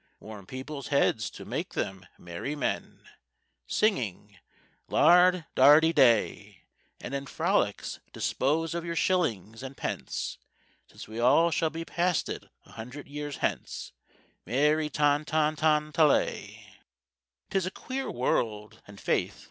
"Warm people's heads to make them merry men— Singing Lard dardy day! And in frolics dispose of your shillings and pence, Since we all shall be past it a hundred years hence, Merry ton ton ton ta lay! "'Tis a queer world, and faith!